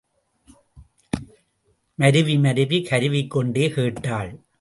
மருவி மருவி கருவிக்கொண்டே கேட்டாள்.